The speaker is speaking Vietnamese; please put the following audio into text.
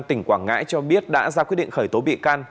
tỉnh quảng ngãi cho biết đã ra quyết định khởi tố bị can